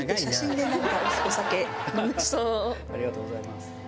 ありがとうございます。